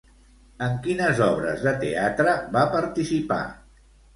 En quines obres de teatre va participar?